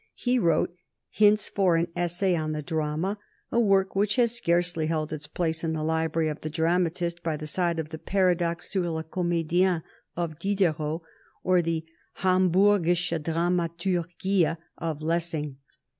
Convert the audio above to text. He wrote "Hints for an Essay on the Drama," a work which has scarcely held its place in the library of the dramatist by the side of the "Paradoxe sur le Comédien" of Diderot, or the "Hamburgische Dramaturgie" of Lessing.